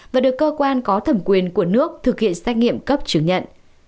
và được cơ quan có thẩm quyền của nước thực hiện xác nghiệm cấp chứng